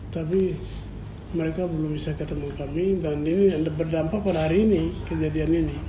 tapi mereka belum bisa ketemu kami dan ini berdampak pada hari ini kejadian ini